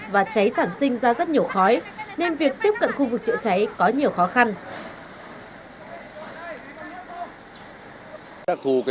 và cháy sản sinh ra rất nhiều khói nên việc tiếp cận khu vực chữa cháy có nhiều khó khăn